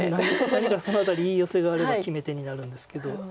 何かその辺りいいヨセがあれば決め手になるんですけど。